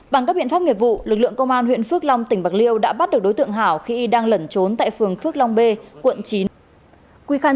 bằng các biện pháp nghiệp vụ lực lượng công an huyện phước long tỉnh bạc liêu đã bắt được đối tượng hảo khi đang lẩn trốn tại phường phước long b quận chín